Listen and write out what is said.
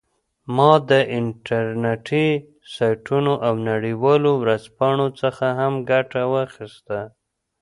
ما د انټرنیټي سایټونو او نړیوالو ورځپاڼو څخه هم ګټه واخیسته